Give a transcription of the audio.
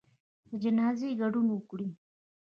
د جنازې ګډون وکړئ